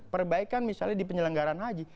perbaikan misalnya di penyelenggaran haji